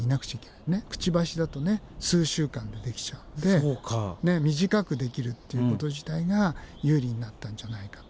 くちばしだと数週間でできちゃうんで短くできるっていうこと自体が有利になったんじゃないかと。